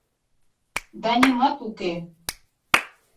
— Да нимат уке...